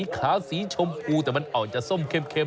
ขาวนี้ก็เลยเหมาะกับคุณชนะเลย